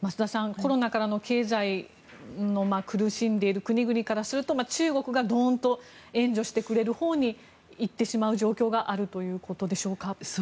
コロナで、経済で苦しんでいる国からすると中国が援助してくれるほうにいってしまう状況があるということでしょうか。